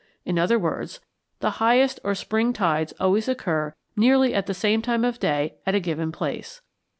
In other words, the highest or spring tides always occur nearly at the same time of day at a given place.